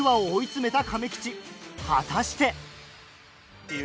果たして。